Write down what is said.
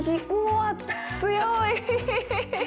わあ、強い。